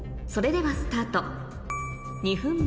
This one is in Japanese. それではスタート２分